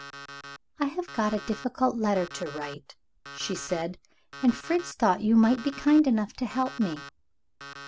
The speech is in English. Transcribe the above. "I have got a very difficult letter to write," she said, "and Fritz thought you might be kind enough to help me."